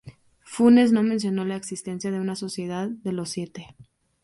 Funes no mencionó la existencia de una Sociedad de los Siete.